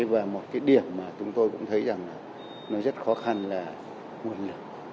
và một cái điểm mà chúng tôi cũng thấy rằng là nó rất khó khăn là nguồn lực